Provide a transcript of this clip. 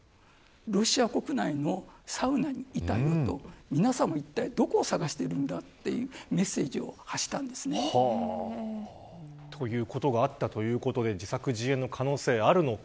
ロシア国内のサウナにいたんだと皆さん、いったいどこを探しているんだというメッセージを発したんですね。ということがあったということで自作自演の可能性あるのか。